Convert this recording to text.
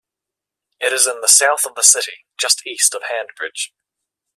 It is in the south of the city, just east of Handbridge.